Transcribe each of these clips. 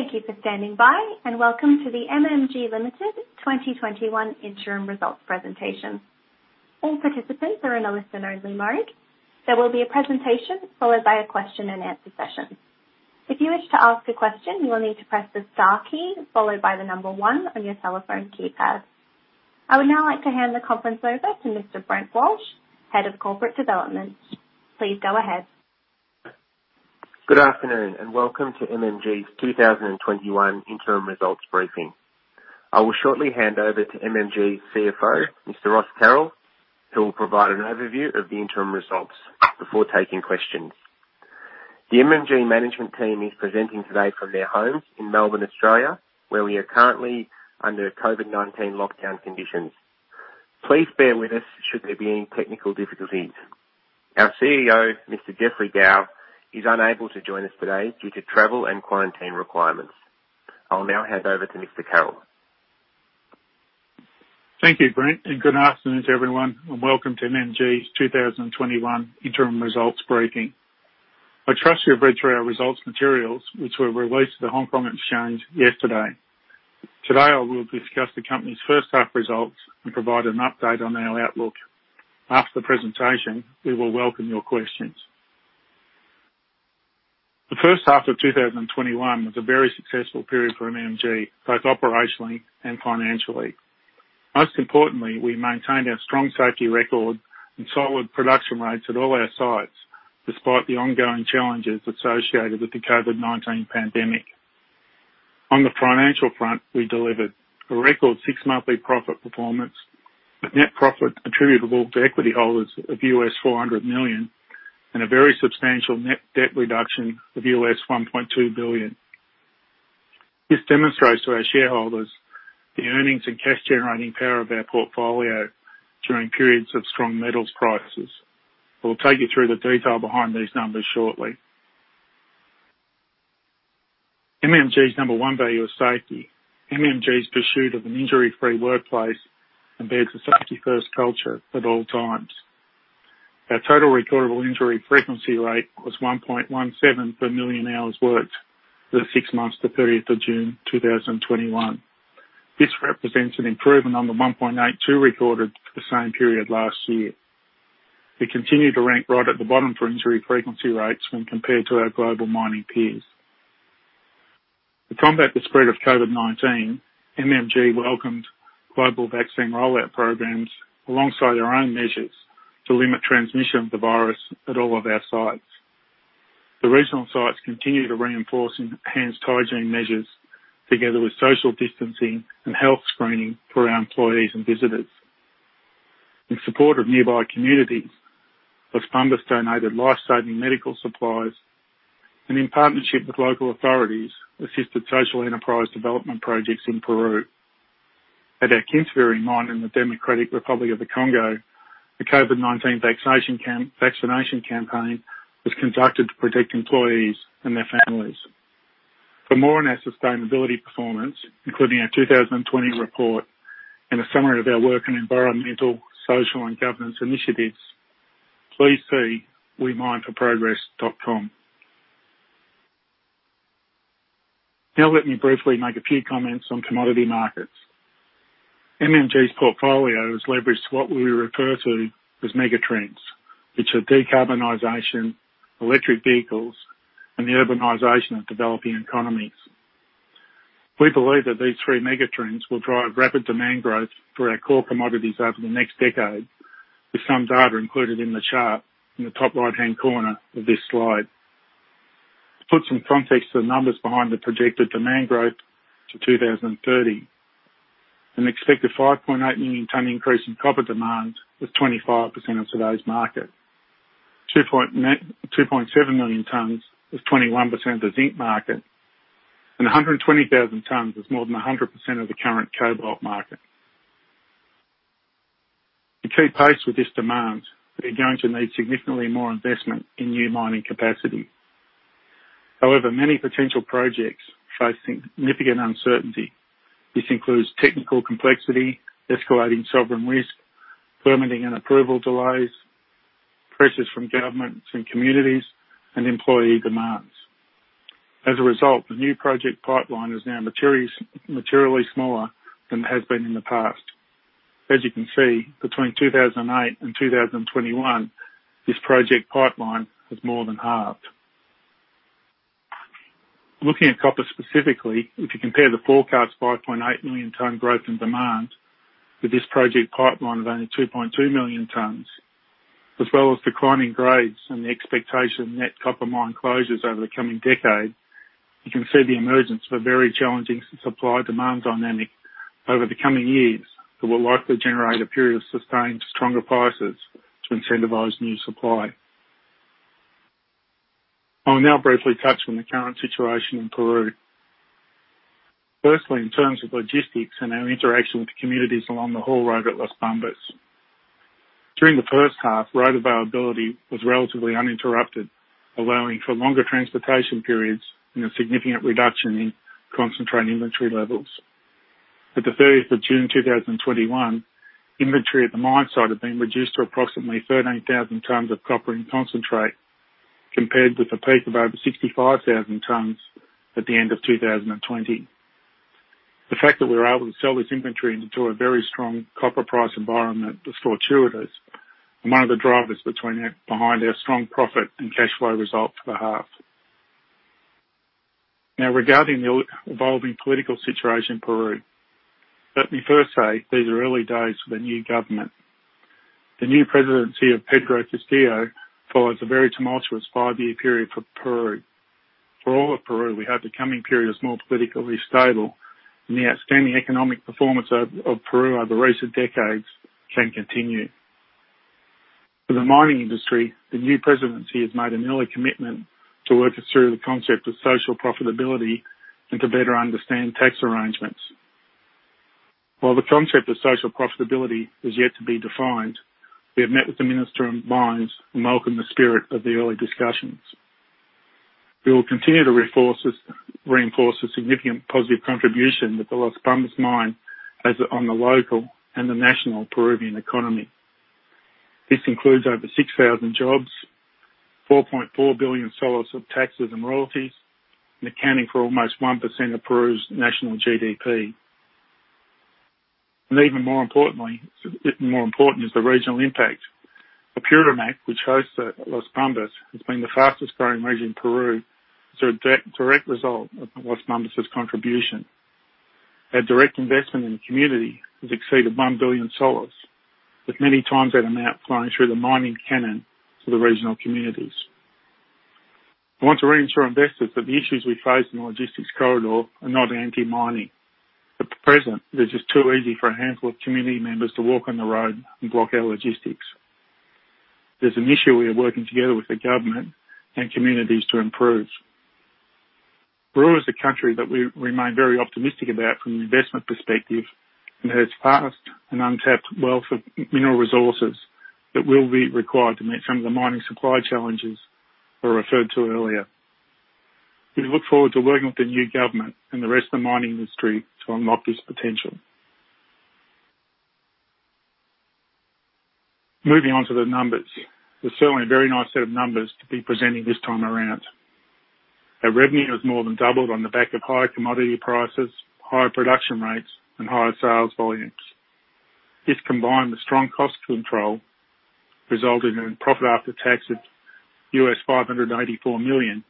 Thank you for standing by, and welcome to the MMG Limited 2021 Interim Results Presentation. I would now like to hand the conference over to Mr. Brent Walsh, Head of Corporate Development. Please go ahead. Good afternoon, welcome to MMG's 2021 Interim Results Briefing. I will shortly hand over to MMG CFO, Mr. Ross Carroll, who will provide an overview of the interim results before taking questions. The MMG management team is presenting today from their homes in Melbourne, Australia, where we are currently under COVID-19 lockdown conditions. Please bear with us should there be any technical difficulties. Our CEO, Mr. Geoffrey Gao, is unable to join us today due to travel and quarantine requirements. I'll now hand over to Mr. Carroll. Thank you, Brent. Good afternoon to everyone, and welcome to MMG's 2021 Interim Results Briefing. I trust you have read through our results materials, which were released to the Hong Kong Stock Exchange yesterday. Today, I will discuss the company's first half results and provide an update on our outlook. After the presentation, we will welcome your questions. The first half of 2021 was a very successful period for MMG, both operationally and financially. Most importantly, we maintained our strong safety record and solid production rates at all our sites, despite the ongoing challenges associated with the COVID-19 pandemic. On the financial front, we delivered a record six-monthly profit performance with net profit attributable to equity holders of $400 million and a very substantial net debt reduction of $1.2 billion. This demonstrates to our shareholders the earnings and cash-generating power of our portfolio during periods of strong metals prices. We'll take you through the detail behind these numbers shortly. MMG's number one value is safety. MMG's pursuit of an injury-free workplace embeds a safety-first culture at all times. Our Total Recordable Injury Frequency Rate was 1.17 per million hours worked for the six months to 30th June 2021. This represents an improvement on the 1.82 recorded for the same period last year. We continue to rank right at the bottom for injury frequency rates when compared to our global mining peers. To combat the spread of COVID-19, MMG welcomed global vaccine rollout programs alongside our own measures to limit transmission of the virus at all of our sites. The regional sites continue to reinforce enhanced hygiene measures, together with social distancing and health screening for our employees and visitors. In support of nearby communities, Las Bambas donated life-saving medical supplies, and in partnership with local authorities, assisted social enterprise development projects in Peru. At our Kinsevere mine in the Democratic Republic of the Congo, the COVID-19 vaccination campaign was conducted to protect employees and their families. For more on our sustainability performance, including our 2020 report and a summary of our work in environmental, social, and governance initiatives, please see wemineforprogress.com. Now let me briefly make a few comments on commodity markets. MMG's portfolio is leveraged to what we refer to as megatrends, which are decarbonization, electric vehicles, and the urbanization of developing economies. We believe that these three megatrends will drive rapid demand growth for our core commodities over the next decade, with some data included in the chart in the top right-hand corner of this slide. To put some context to the numbers behind the projected demand growth to 2030, an expected 5.8 million ton increase in copper demand is 25% of today's market. 2.7 million tons is 21% of the zinc market. 120,000 tons is more than 100% of the current cobalt market. To keep pace with this demand, we're going to need significantly more investment in new mining capacity. Many potential projects face significant uncertainty. This includes technical complexity, escalating sovereign risk, permitting and approval delays, pressures from governments and communities, and employee demands. The new project pipeline is now materially smaller than it has been in the past. As you can see, between 2008 and 2021, this project pipeline has more than halved. Looking at copper specifically, if you compare the forecast 5.8 million ton growth in demand with this project pipeline of only 2.2 million tons, as well as declining grades and the expectation of net copper mine closures over the coming decade, you can see the emergence of a very challenging supply-demand dynamic over the coming years that will likely generate a period of sustained stronger prices to incentivize new supply. I will now briefly touch on the current situation in Peru. Firstly, in terms of logistics and our interaction with the communities along the haul road at Las Bambas. During the first half, road availability was relatively uninterrupted, allowing for longer transportation periods and a significant reduction in concentrate inventory levels. At the 30th June 2021, inventory at the mine site had been reduced to approximately 13,000 tonnes of copper and concentrate, compared with a peak of over 65,000 tonnes at the end of 2020. The fact that we were able to sell this inventory into a very strong copper price environment was fortuitous, and one of the drivers behind our strong profit and cash flow result for the half. Regarding the evolving political situation in Peru. Let me first say, these are early days for the new government. The new presidency of Pedro Castillo follows a very tumultuous five-year period for Peru. For all of Peru, we hope the coming period is more politically stable, and the outstanding economic performance of Peru over recent decades can continue. For the mining industry, the new presidency has made an early commitment to work us through the concept of social profitability and to better understand tax arrangements. While the concept of social profitability is yet to be defined, we have met with the Minister of Mines and welcome the spirit of the early discussions. We will continue to reinforce a significant positive contribution that the Las Bambas mine has on the local and the national Peruvian economy. This includes over 6,000 jobs, 4.4 billion soles of taxes and royalties, accounting for almost 1% of Peru's national GDP. Even more important is the regional impact. Apurímac, which hosts Las Bambas, has been the fastest-growing region in Peru as a direct result of Las Bambas' contribution. Our direct investment in the community has exceeded 1 billion soles, with many times that amount flowing through the mining canon to the regional communities. I want to reassure investors that the issues we face in the logistics corridor are not anti-mining. At present, it's just too easy for a handful of community members to walk on the road and block our logistics. This is an issue we are working together with the government and communities to improve. Peru is a country that we remain very optimistic about from an investment perspective and has vast and untapped wealth of mineral resources that will be required to meet some of the mining supply challenges I referred to earlier. We look forward to working with the new government and the rest of the mining industry to unlock this potential. Moving on to the numbers. It's certainly a very nice set of numbers to be presenting this time around. Our revenue has more than doubled on the back of higher commodity prices, higher production rates, and higher sales volumes. This, combined with strong cost control, resulted in profit after tax of $584 million,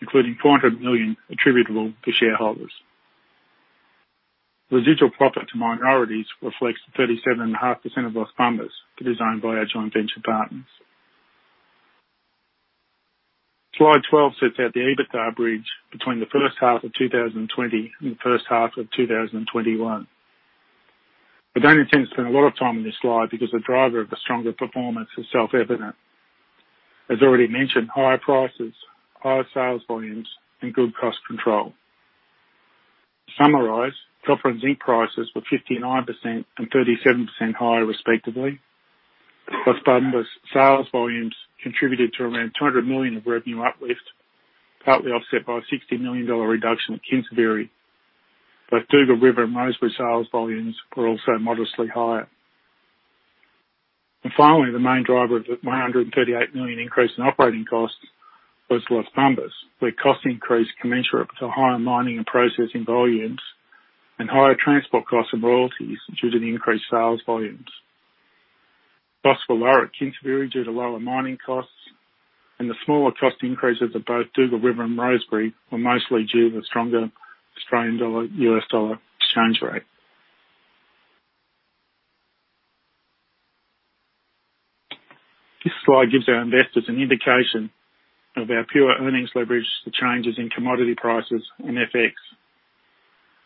including $400 million attributable to shareholders. Residual profit to minorities reflects the 37.5% of Las Bambas that is owned by our joint venture partners. Slide 12 sets out the EBITDA bridge between the first half of 2020 and the first half of 2021. I don't intend to spend a lot of time on this slide because the driver of the stronger performance is self-evident. As already mentioned, higher prices, higher sales volumes, and good cost control. To summarize, copper and zinc prices were 59% and 37% higher, respectively. Las Bambas sales volumes contributed to around $200 million of revenue uplift, partly offset by a $60 million reduction at Kinsevere. Both Dugald River and Rosebery sales volumes were also modestly higher. Finally, the main driver of the $138 million increase in operating costs was Las Bambas, where costs increased commensurate to higher mining and processing volumes and higher transport costs and royalties due to the increased sales volumes. Costs were lower at Kinsevere due to lower mining costs, and the smaller cost increases at both Dugald River and Rosebery were mostly due to the stronger Australian dollar-US dollar exchange rate. This slide gives our investors an indication of our pure earnings leverage for changes in commodity prices and FX.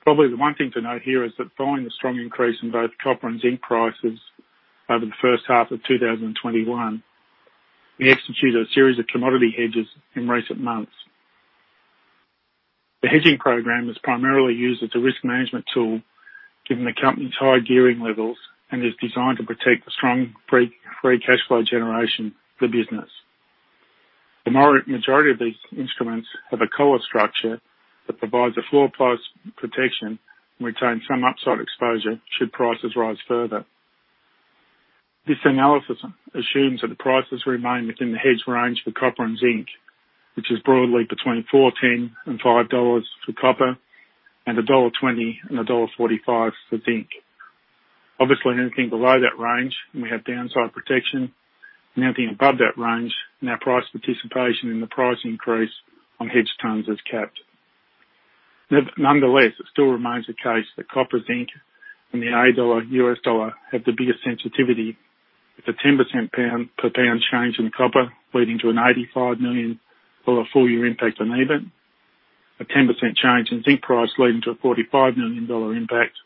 Probably the one thing to note here is that following the strong increase in both copper and zinc prices over the first half of 2021, we executed a series of commodity hedges in recent months. The hedging program is primarily used as a risk management tool given the company's high gearing levels and is designed to protect the strong free cash flow generation of the business. The majority of these instruments have a collar structure that provides a floor price protection and retains some upside exposure should prices rise further. This analysis assumes that the prices remain within the hedge range for copper and zinc, which is broadly between $4.10 and $5 for copper, and $1.20 and $1.45 for zinc. Obviously, anything below that range, and we have downside protection, and anything above that range, and our price participation in the price increase on hedged tons is capped. Nonetheless, it still remains the case that copper, zinc, and the AUD-USD have the biggest sensitivity. With a $0.10 /lb change in copper leading to an $85 million full-year impact on EBIT. A 10% change in zinc price leading to a $45 million impact.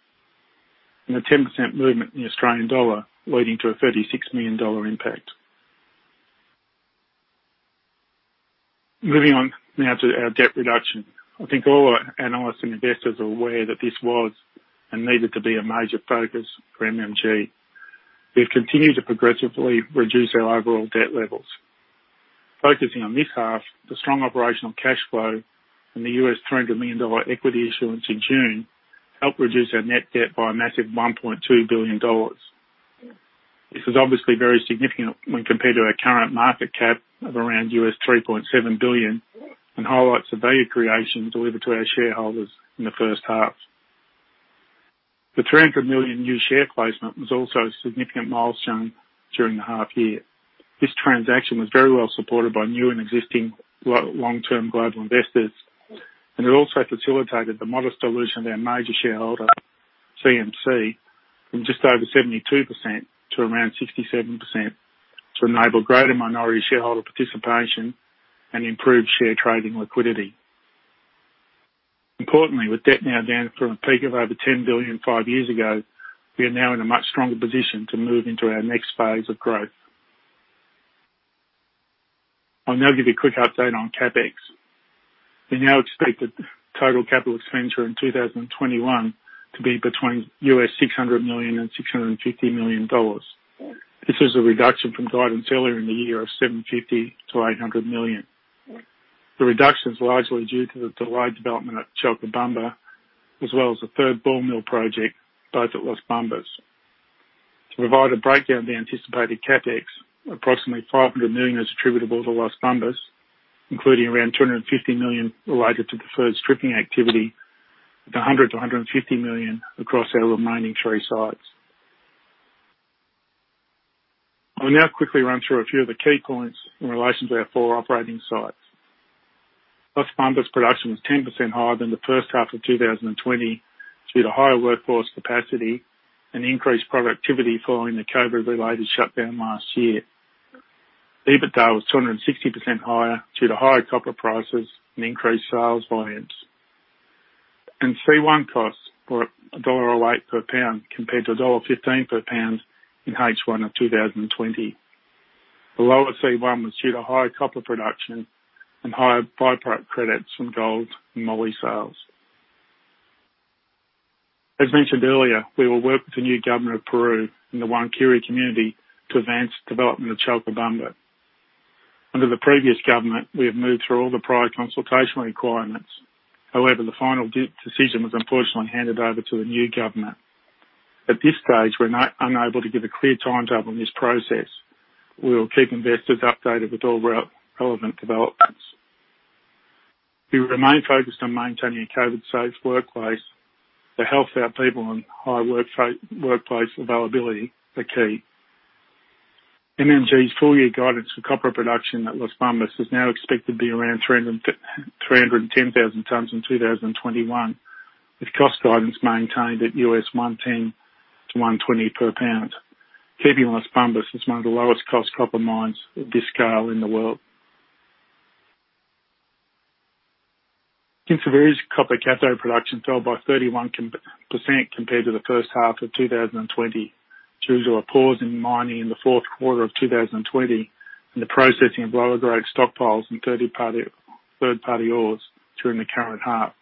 A 10% movement in the Australian dollar leading to a $36 million impact. Moving on now to our debt reduction. I think all our analysts and investors are aware that this was and needed to be a major focus for MMG. We've continued to progressively reduce our overall debt levels. Focusing on this half, the strong operational cash flow and the $300 million equity issuance in June helped reduce our net debt by a massive $1.2 billion. This is obviously very significant when compared to our current market cap of around $3.7 billion and highlights the value creation delivered to our shareholders in the first half. The $300 million new share placement was also a significant milestone during the half year. This transaction was very well supported by new and existing long-term global investors, and it also facilitated the modest dilution of our major shareholder, CMC, from just over 72% to around 67%, to enable greater minority shareholder participation and improve share trading liquidity. Importantly, with debt now down from a peak of over $10 billion five years ago, we are now in a much stronger position to move into our next phase of growth. I'll now give you a quick update on CapEx. We now expect the total capital expenditure in 2021 to be between $600 million and $650 million. This is a reduction from guidance earlier in the year of $750 million-$800 million. The reduction is largely due to the delayed development at Chalcobamba as well as a third ball mill project, both at Las Bambas. To provide a breakdown of the anticipated CapEx, approximately $500 million is attributable to Las Bambas, including around $250 million related to the first stripping activity, with $100 million-$150 million across our remaining three sites. I will now quickly run through a few of the key points in relation to our four operating sites. Las Bambas production was 10% higher than the first half of 2020 due to higher workforce capacity and increased productivity following the COVID-19-related shutdown last year. EBITDA was 260% higher due to higher copper prices and increased sales volumes. C1 costs were $1.08 /lb compared to $1.15 /lb in H1 2020. The lower C1 was due to higher copper production and higher by-product credits from gold and moly sales. As mentioned earlier, we will work with the new government of Peru and the Huancuire community to advance development of Chalcobamba. Under the previous government, we have moved through all the prior consultation requirements. The final decision was unfortunately handed over to a new government. At this stage, we are now unable to give a clear timetable on this process. We will keep investors updated with all relevant developments. We remain focused on maintaining a COVID-safe workplace. The health of our people and high workplace availability are key. MMG's full-year guidance for copper production at Las Bambas is now expected to be around 310,000 tons in 2021, with cost guidance maintained at $1.10-$1.20 /lb, keeping Las Bambas as one of the lowest cost copper mines of this scale in the world. Kinsevere copper cathode production fell by 31% compared to the first half of 2020 due to a pause in mining in the fourth quarter of 2020 and the processing of lower grade stockpiles and third-party ores during the current half.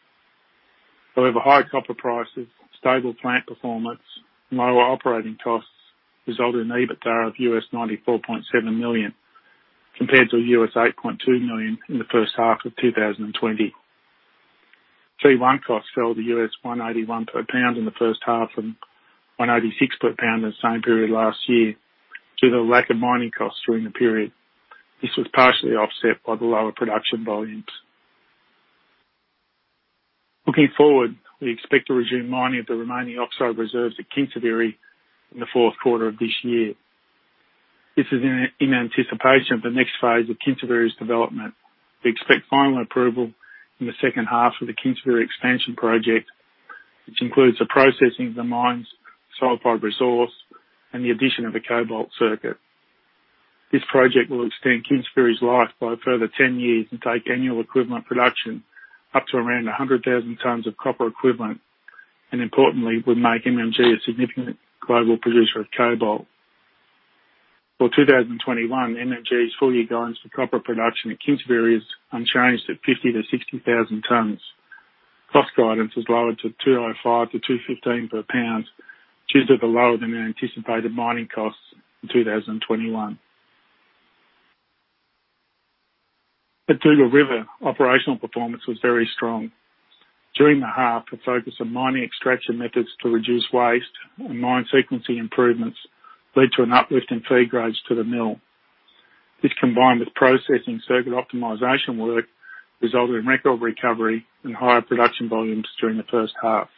However, higher copper prices, stable plant performance, and lower operating costs resulted in EBITDA of $94.7 million compared to $8.2 million in the first half of 2020. C1 costs fell to $1.81 /lb in the first half and $1.86 /lb in the same period last year due to the lack of mining costs during the period. This was partially offset by the lower production volumes. Looking forward, we expect to resume mining of the remaining oxide reserves at Kinsevere in the fourth quarter of this year. This is in anticipation of the next phase of Kinsevere's development. We expect final approval in the second half for the Kinsevere expansion project, which includes the processing of the mine's sulfide resource and the addition of a cobalt circuit. This project will extend Kinsevere's life by a further 10 years and take annual equivalent production up to around 100,000 tonnes of copper equivalent. Importantly, would make MMG a significant global producer of cobalt. For 2021, MMG's full-year guidance for copper production at Kinsevere is unchanged at 50,000-60,000 tonnes. Cost guidance is lowered to $2.05-$2.15 /lb due to the lower-than-anticipated mining costs in 2021. At Dugald River, operational performance was very strong. During the half, the focus on mining extraction methods to reduce waste and mine sequencing improvements led to an uplift in feed grades to the mill. This, combined with processing circuit optimization work, resulted in record recovery and higher production volumes during the first half.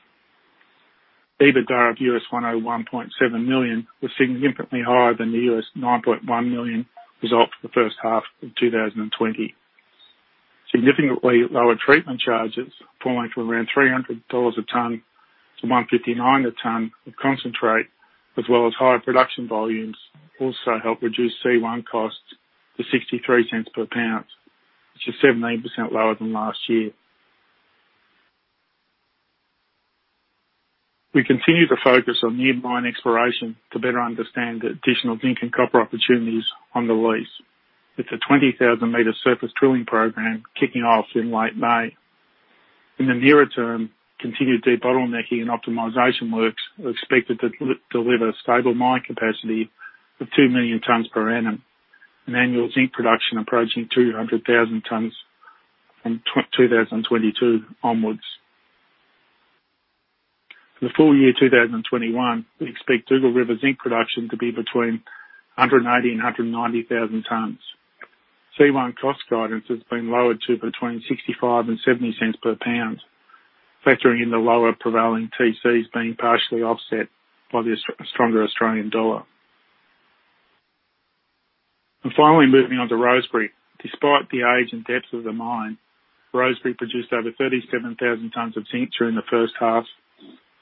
EBITDA of $101.7 million was significantly higher than the $9.1 million result for the first half of 2020. Significantly lower treatment charges, falling from around $300 a tonne to $159 a tonne of concentrate, as well as higher production volumes, also helped reduce C1 costs to $0.63 /lb, which is 17% lower than last year. We continue to focus on near-mine exploration to better understand the additional zinc and copper opportunities on the lease, with a 20,000-meter surface drilling program kicking off in late May. In the nearer term, continued de-bottlenecking and optimization works are expected to deliver stable mine capacity of 2 million tons per annum, and annual zinc production approaching 200,000 tonnes from 2022 onwards. For the full year 2021, we expect Dugald River zinc production to be between 180,000 and 190,000 tonnes. C1 cost guidance has been lowered to between 0.65 and 0.70 /lb, factoring in the lower prevailing TCs being partially offset by the stronger Australian dollar. Finally, moving on to Rosebery. Despite the age and depth of the mine, Rosebery produced over 37,000 tonnes of zinc during the first half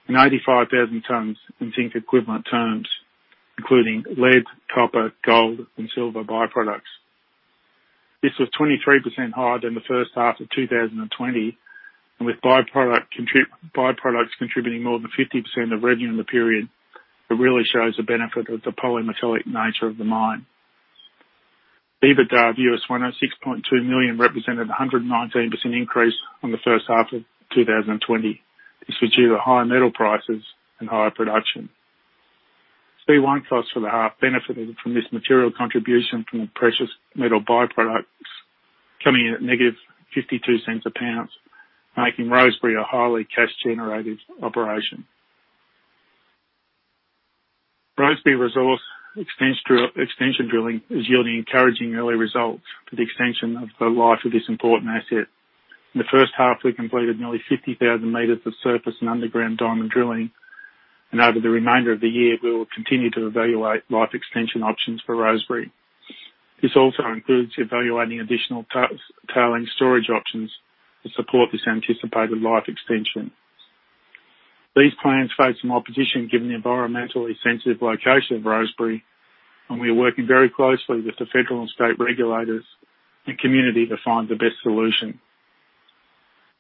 and 85,000 tonnes in zinc equivalent terms, including lead, copper, gold and silver by-products. This was 23% higher than the first half of 2020, and with by-products contributing more than 50% of revenue in the period, it really shows the benefit of the polymetallic nature of the mine. EBITDA of $106.2 million represented 119% increase on the first half of 2020. This was due to higher metal prices and higher production. C1 costs for the half benefited from this material contribution from precious metal by-products coming in at -$0.52 a pound, making Rosebery a highly cash-generative operation. Rosebery resource extension drilling is yielding encouraging early results for the extension of the life of this important asset. In the first half, we completed nearly 50,000 meters of surface and underground diamond drilling, and over the remainder of the year, we will continue to evaluate life extension options for Rosebery. This also includes evaluating additional tailings storage options to support this anticipated life extension. These plans face some opposition given the environmentally sensitive location of Rosebery, and we are working very closely with the federal and state regulators and community to find the best solution.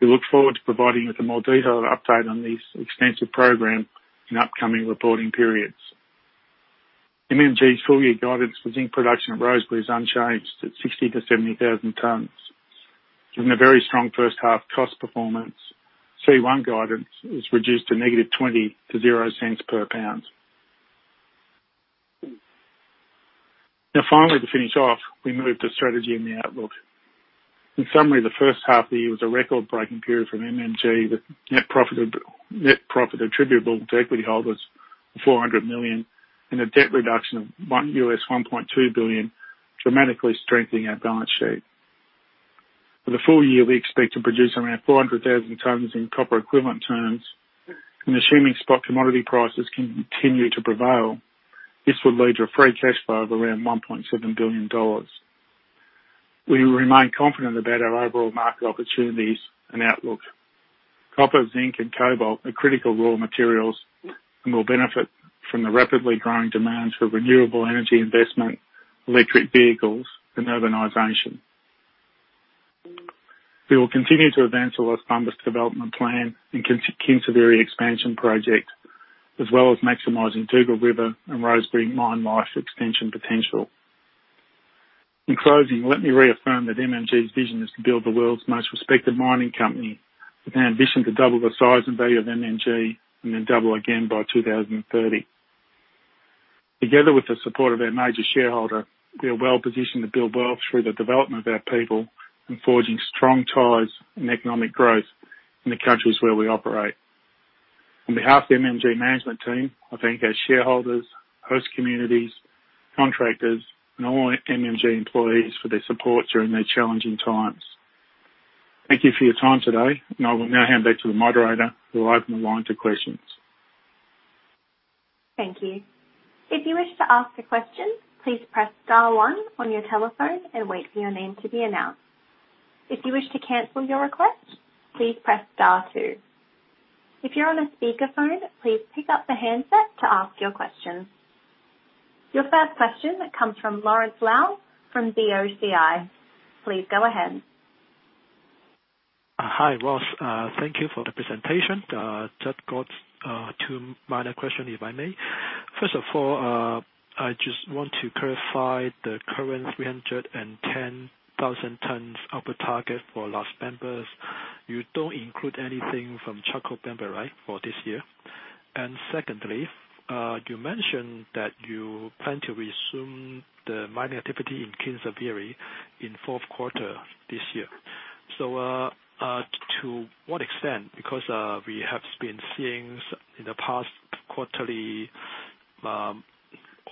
We look forward to providing you with a more detailed update on this extensive program in upcoming reporting periods. MMG's full-year guidance for zinc production at Rosebery is unchanged at 60,000-70,000 tonnes. Given the very strong first half cost performance, C1 guidance is reduced to -$0.20 to $0 /lb. Finally, to finish off, we move to strategy and the outlook. In summary, the first half of the year was a record-breaking period for MMG, with net profit attributable to equity holders of $400 million and a debt reduction of $1.2 billion, dramatically strengthening our balance sheet. For the full year, we expect to produce around 400,000 tonnes in copper equivalent terms, assuming spot commodity prices continue to prevail, this will lead to a free cash flow of around $1.7 billion. We remain confident about our overall market opportunities and outlook. Copper, zinc and cobalt are critical raw materials and will benefit from the rapidly growing demand for renewable energy investment, electric vehicles and urbanization. We will continue to advance the Las Bambas development plan and Kinsevere expansion project, as well as maximizing Dugald River and Rosebery mine life extension potential. In closing, let me reaffirm that MMG's vision is to build the world's most respected mining company with an ambition to double the size and value of MMG, and then double again by 2030. Together with the support of our major shareholder, we are well-positioned to build wealth through the development of our people and forging strong ties and economic growth in the countries where we operate. On behalf of the MMG management team, I thank our shareholders, host communities, contractors and all MMG employees for their support during these challenging times. Thank you for your time today. I will now hand back to the moderator who will open the line to questions. Thank you. If you wish to ask a question, please press star one on your telephone and wait for your name to be announced. If you wish to cancel your request, please press star two. If you're on a speakerphone, please pick up the handset to ask your question. Your first question comes from Lawrence Lau from BOCI. Please go ahead. Hi, Ross. Thank you for the presentation. Just got two minor questions, if I may. First of all, I just want to clarify the current 310,000 tonnes upper target for Las Bambas. You don't include anything from Chalcobamba, right? For this year. Secondly, you mentioned that you plan to resume the mining activity in Kinsevere in fourth quarter this year. To what extent, because, we have been seeing in the past quarterly,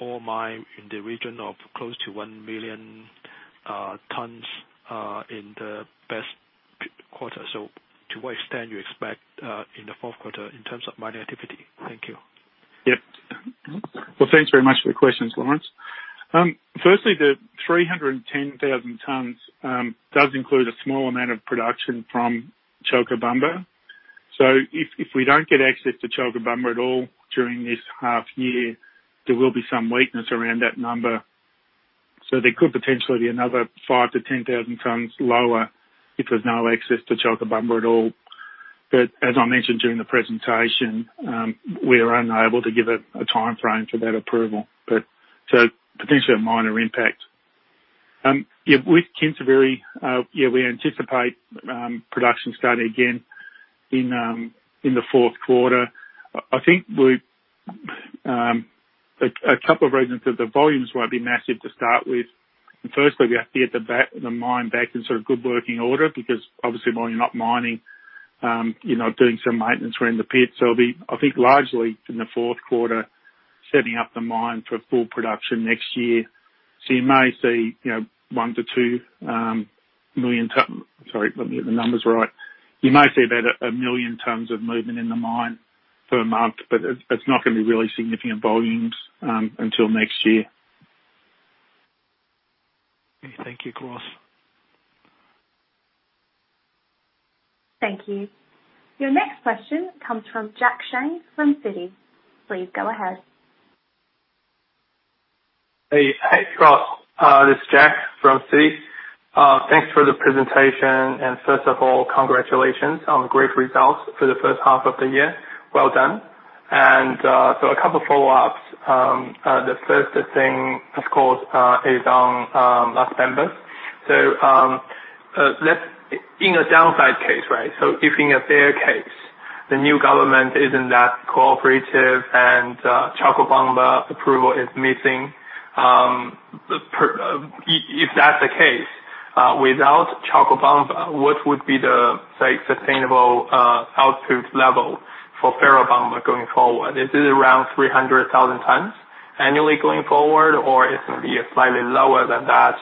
ore mine in the region of close to 1 million tonnes in the best quarter. To what extent you expect in the fourth quarter in terms of mining activity? Thank you. Yep. Well, thanks very much for the questions, Lawrence. Firstly, the 310,000 tonnes does include a small amount of production from Chalcobamba. If we don't get access to Chalcobamba at all during this half year, there will be some weakness around that number. There could potentially be another 5,000-10,000 tonnes lower if there's no access to Chalcobamba at all. As I mentioned during the presentation, we are unable to give a timeframe for that approval. Potentially a minor impact. With Kinsevere, we anticipate production starting again in the fourth quarter. I think a couple of reasons that the volumes won't be massive to start with. Firstly, we have to get the mine back in good working order, because obviously while you're not mining, you're not doing some maintenance around the pit. It'll be, I think largely in the fourth quarter, setting up the mine for full production next year. You may see about 1 million tons of movement in the mine per month, but it's not going to be really significant volumes until next year. Okay. Thank you, Ross. Thank you. Your next question comes from Jack Shang from Citi. Please go ahead. Hey, Ross. This is Jack from Citi. Thanks for the presentation. First of all, congratulations on great results for the first half of the year. Well done. A couple follow-ups. The first thing, of course, is on Las Bambas. In a downside case, right? If in a bear case, the new government isn't that cooperative and Chalcobamba approval is missing. If that's the case, without Chalcobamba, what would be the say sustainable output level for Ferrobamba going forward? Is it around 300,000 tons annually going forward? It's going to be slightly lower than that?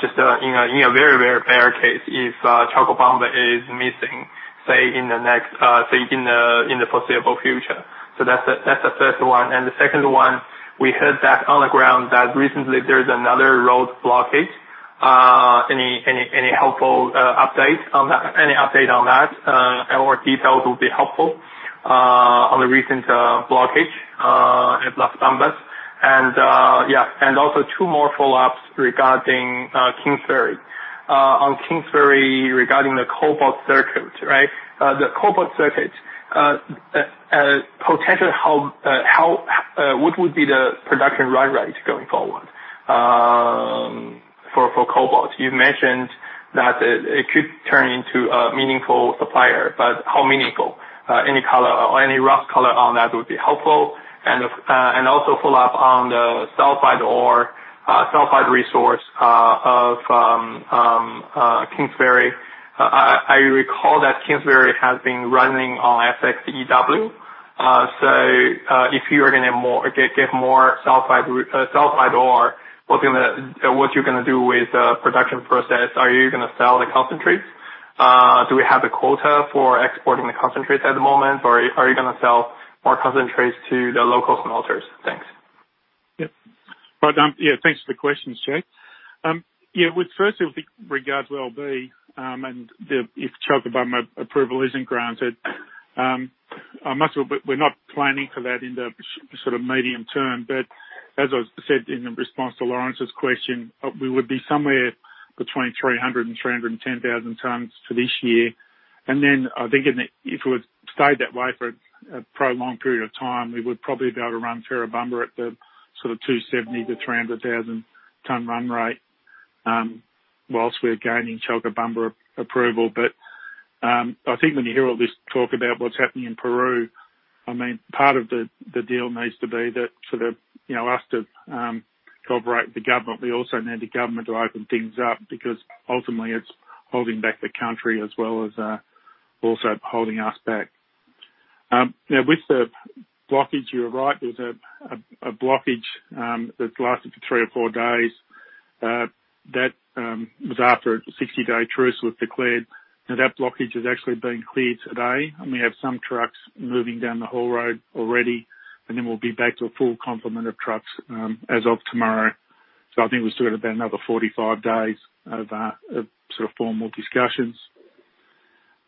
Just in a very, very bear case, if Chalcobamba is missing, say in the foreseeable future. That's the first one. The second one, we heard that on the ground that recently there's another road blockage. Any helpful update on that? Any update on that, or more details would be helpful, on the recent blockage at Las Bambas? Two more follow-ups regarding Kinsevere. On Kinsevere, regarding the cobalt circuit. The cobalt circuit, potentially, what would be the production run rate going forward for cobalt? You mentioned that it could turn into a meaningful supplier, but how meaningful? Any rough color on that would be helpful. Follow up on the sulfide ore, sulfide resource of Kinsevere. I recall that Kinsevere has been running on SX-EW. If you are going to get more sulfide ore, what you're going to do with the production process? Are you going to sell the concentrates? Do we have a quota for exporting the concentrates at the moment, or are you going to sell more concentrates to the local smelters? Thanks. Yep. Well done. Yeah, thanks for the questions, Jack. With first with regard to LB, and if Chalcobamba approval isn't granted, we're not planning for that in the medium term, but as I said in response to Lawrence's question, we would be somewhere between 300,000-310,000 tons for this year. I think if it would stay that way for a prolonged period of time, we would probably be able to run Ferrobamba at the 270,000-300,000 ton run rate, whilst we're gaining Chalcobamba approval. I think when you hear all this talk about what's happening in Peru, part of the deal needs to be that for us to cooperate with the government, we also need the government to open things up, because ultimately it's holding back the country as well as also holding us back. With the blockage, you're right. There's a blockage that's lasted for three or four days. That was after a 60-day truce was declared. That blockage has actually been cleared today, and we have some trucks moving down the haul road already, and then we'll be back to a full complement of trucks as of tomorrow. I think we still got about another 45 days of formal discussions.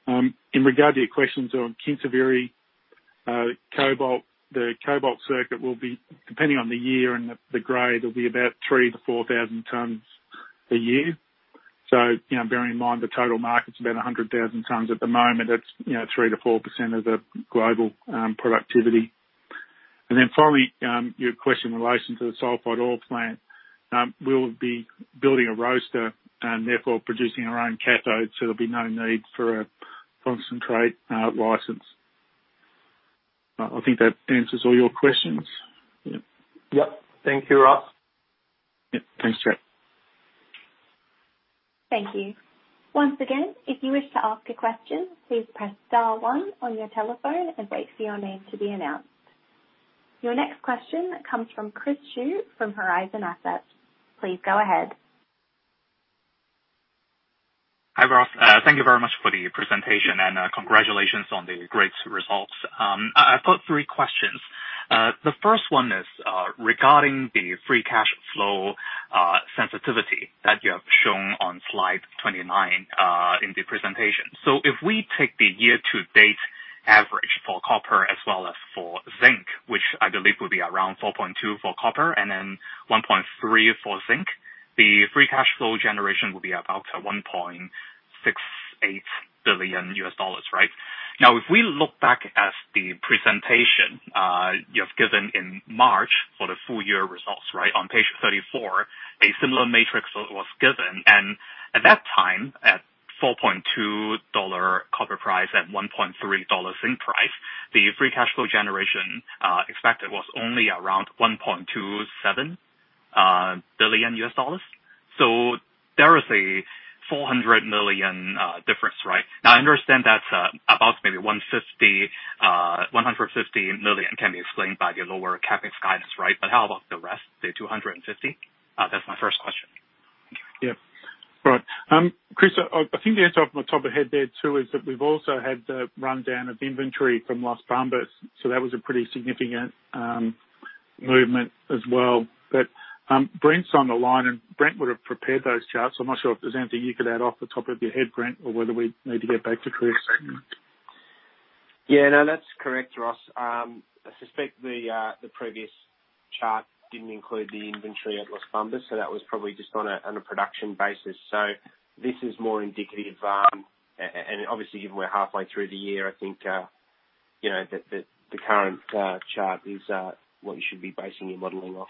In regard to your questions on Kinsevere, the cobalt circuit will be, depending on the year and the grade, it'll be about 3,000-4,000 tons a year. Bearing in mind the total market's about 100,000 tons at the moment, that's 3%-4% of the global productivity. Finally, your question in relation to the sulfide ore plant. We'll be building a roaster and therefore producing our own cathodes. There'll be no need for a concentrate license. I think that answers all your questions. Yep. Thank you, Ross. Yep. Thanks, Jack. Thank you. Once again, if you wish to ask a question, please press star one on your telephone and wait for your name to be announced. Your next question comes from Chris Shiu from Horizon Assets. Please go ahead. Hi, Ross. Thank you very much for the presentation, and congratulations on the great results. I've got three questions. The first one is regarding the free cash flow sensitivity that you have shown on slide 29 in the presentation. If we take the year-to-date average for copper as well as for zinc, which I believe will be around $4.2 for copper and then $1.3 for zinc, the free cash flow generation will be about $1.68 billion, right? If we look back at the presentation you have given in March for the full year results, on page 34, a similar matrix was given. At that time, at $4.2 copper price and $1.3 zinc price, the free cash flow generation expected was only around $1.27 billion. There is a $400 million difference, right? I understand that's about maybe $150 million can be explained by the lower CapEx guidance, right? How about the rest, the $250? That's my first question. Thank you. Right. Chris, I think the answer off my top of head there too is that we've also had the rundown of inventory from Las Bambas. That was a pretty significant movement as well. Brent's on the line, and Brent would have prepared those charts. I'm not sure if there's anything you could add off the top of your head, Brent, or whether we need to get back to Chris. Yeah, no, that's correct, Ross. I suspect the previous chart didn't include the inventory at Las Bambas, so that was probably just on a production basis. This is more indicative, and obviously given we're halfway through the year, I think the current chart is what you should be basing your modeling off.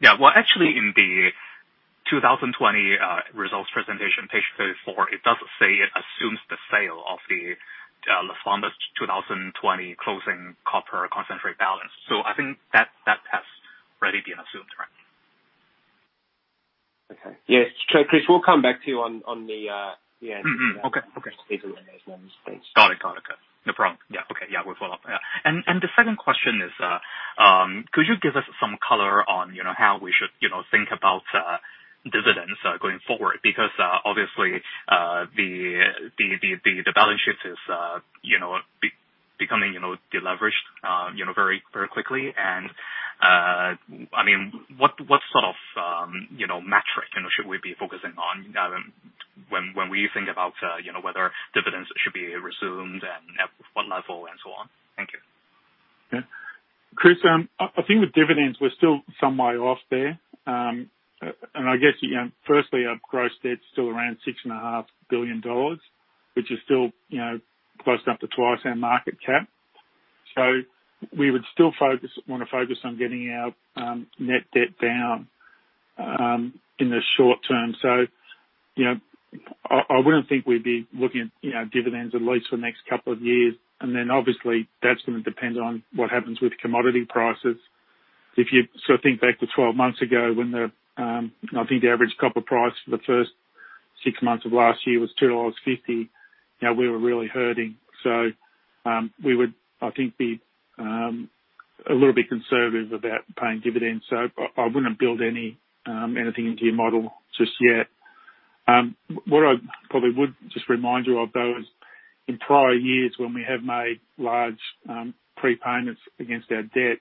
Yeah. Well, actually in the 2020 results presentation, page 34, it does say it assumes the sale of the Las Bambas 2020 closing copper concentrate balance. I think that has already been assumed, right? Okay. Yes. Chris, we'll come back to you on the end. Mm-hmm. Okay. These ones, please. Got it. Okay. No problem. Yeah. Okay. Yeah, we'll follow up. Yeah. The second question is, could you give us some color on how we should think about dividends going forward? Because obviously, the balance sheet is becoming de-leveraged very quickly and what sort of metric should we be focusing on when we think about whether dividends should be resumed and at what level and so on? Thank you. Chris, I think with dividends, we're still some way off there. I guess, firstly, our gross debt's still around $6.5 billion, which is still close enough to twice our market cap. We would still want to focus on getting our net debt down in the short term. I wouldn't think we'd be looking at dividends at least for the next couple of years. Obviously, that's going to depend on what happens with commodity prices. If you sort of think back to 12 months ago, when the, I think the average copper price for the first six months of last year was $2.50, we were really hurting. We would, I think, be a little bit conservative about paying dividends. I wouldn't build anything into your model just yet. What I probably would just remind you of, though, is in prior years when we have made large prepayments against our debt,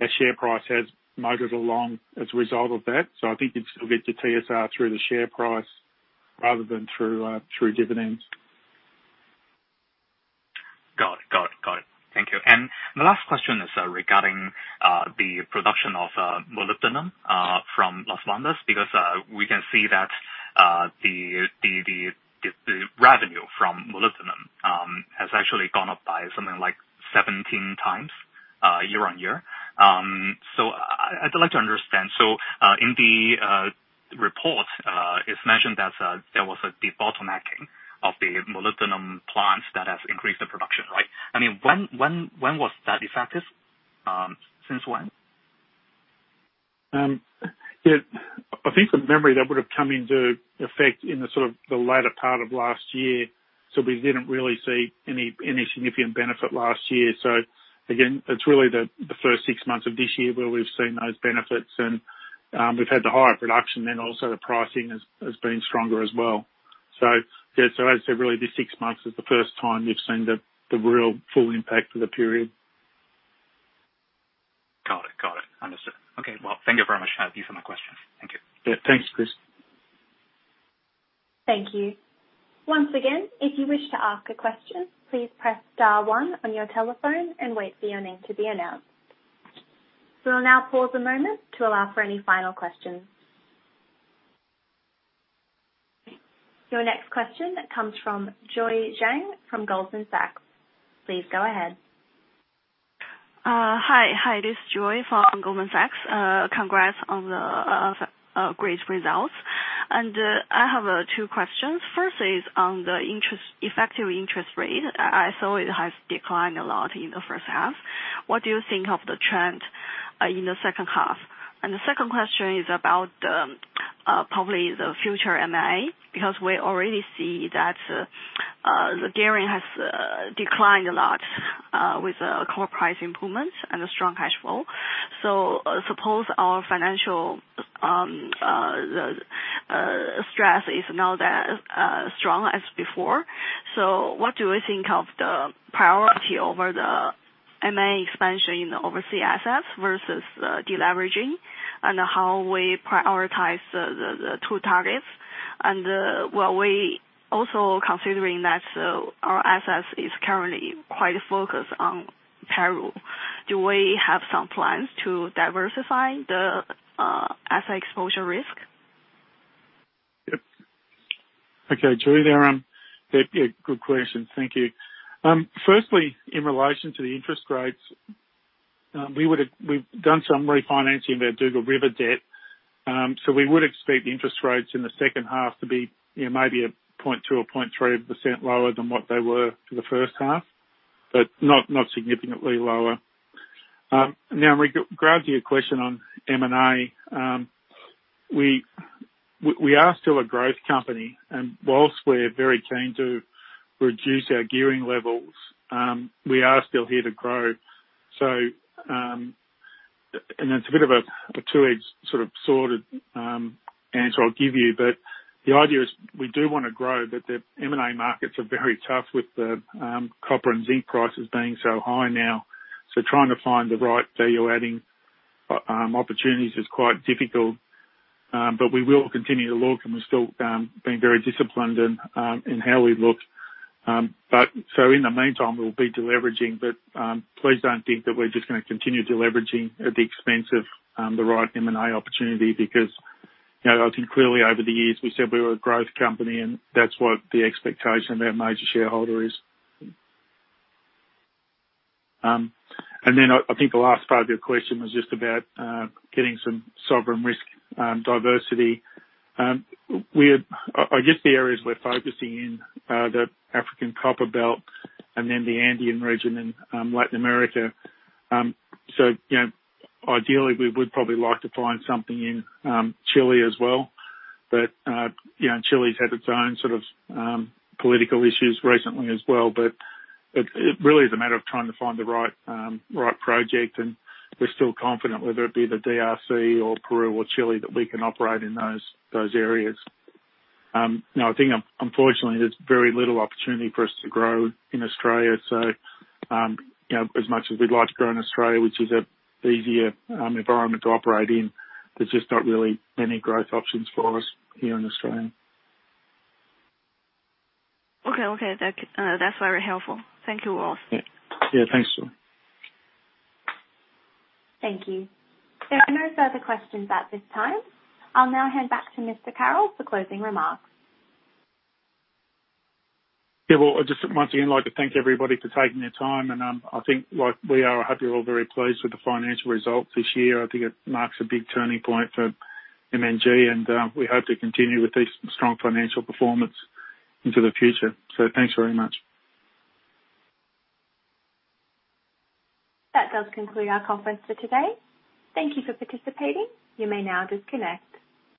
our share price has motored along as a result of that. I think you'd still get your TSR through the share price rather than through dividends. Got it. Thank you. My last question is regarding the production of molybdenum from Las Bambas, because we can see that the revenue from molybdenum has actually gone up by something like 17 times year-on-year. I'd like to understand. In the report, it's mentioned that there was a debottlenecking of the molybdenum plants that has increased the production, right? When was that effective? Since when? I think from memory that would have come into effect in the sort of the latter part of last year. We didn't really see any significant benefit last year. Again, it's really the first six months of this year where we've seen those benefits and we've had the higher production then also the pricing has been stronger as well. Yeah. I'd say really the six months is the first time we've seen the real full impact of the period. Got it. Understood. Okay. Well, thank you very much. These are my questions. Thank you. Yeah. Thanks, Chris. Thank you. Once again, if you wish to ask a question, please press star one on your telephone and wait for your name to be announced. We will now pause a moment to allow for any final questions. Your next question comes from Joy Zhang from Goldman Sachs. Please go ahead. Hi. This is Joy from Goldman Sachs. Congrats on the great results. I have two questions. First is on the effective interest rate. I saw it has declined a lot in the first half. What do you think of the trend in the second half? The second question is about probably the future M&A, because we already see that the gearing has declined a lot with the core price improvements and the strong cash flow. Suppose our financial stress is not as strong as before. What do you think of the priority over the M&A expansion in the overseas assets versus de-leveraging and how we prioritize the two targets? Are we also considering that our assets is currently quite focused on Peru? Do we have some plans to diversify the asset exposure risk? Yep. Okay, Joy Zhang, good question. Thank you. Firstly, in relation to the interest rates, we've done some refinancing of our Dugald River debt. We would expect interest rates in the second half to be maybe a 0.2% or 0.3% lower than what they were for the first half, but not significantly lower. Now, regarding your question on M&A, we are still a growth company, whilst we're very keen to reduce our gearing levels, we are still here to grow. It's a bit of a two-edged sort of answer I'll give you, but the idea is we do want to grow, but the M&A markets are very tough with the copper and zinc prices being so high now. Trying to find the right value-adding opportunities is quite difficult. We will continue to look, and we're still being very disciplined in how we look. In the meantime, we'll be deleveraging. Please don't think that we're just going to continue deleveraging at the expense of the right M&A opportunity because I think clearly over the years, we said we were a growth company, and that's what the expectation of our major shareholder is. I think the last part of your question was just about getting some sovereign risk diversity. I guess the areas we're focusing in are the African Copper Belt and the Andean region in Latin America. Ideally, we would probably like to find something in Chile as well. Chile's had its own sort of political issues recently as well. It really is a matter of trying to find the right project, and we're still confident, whether it be the DRC or Peru or Chile, that we can operate in those areas. I think unfortunately, there's very little opportunity for us to grow in Australia. As much as we'd like to grow in Australia, which is an easier environment to operate in, there's just not really any growth options for us here in Australia. Okay. That's very helpful. Thank you, Ross. Yeah. Thanks, Joy. Thank you. There are no further questions at this time. I'll now hand back to Mr. Carroll for closing remarks. Well, I just once again like to thank everybody for taking the time. I think, like we are, I hope you're all very pleased with the financial results this year. I think it marks a big turning point for MMG. We hope to continue with this strong financial performance into the future. Thanks very much. That does conclude our conference for today. Thank you for participating. You may now disconnect.